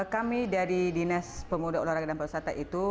kami dari dinas pemuda ularaga dan perwisata itu